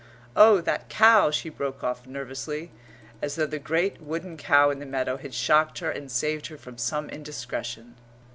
"Oh, that cow!" she broke off nervously, as though the great wooden cow in the meadow had shocked her and saved her from some indiscretion.